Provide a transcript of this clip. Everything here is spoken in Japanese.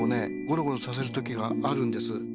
ゴロゴロさせる時があるんです。